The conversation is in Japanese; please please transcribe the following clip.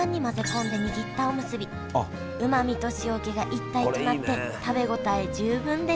うまみと塩気が一体となって食べ応え十分です